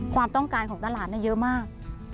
ความต้องการของตลาดเยอะมาก